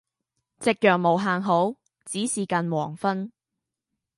夕陽無限好，只是近黃昏。